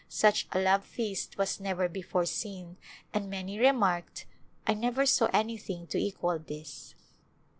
Such a love feast was never before seen and many remarked, " I never saw anything to equal this